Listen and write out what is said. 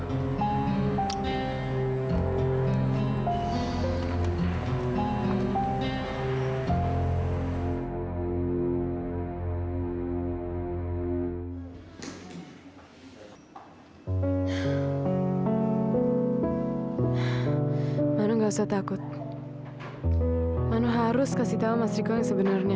hai manu gak usah takut manu harus kasih tahu mas riko yang sebenarnya